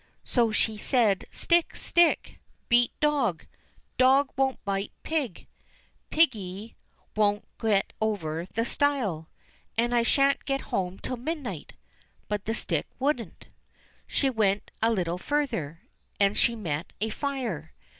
So she said, "Stick! stick! beat dog; dog won't bite pig; piggy 252 THE OLD WOMAN AND HER PIG 253 won't get over the stile ; and I shan't get home till midnight." But the stick wouldn't. She went a little further, and she met a fire.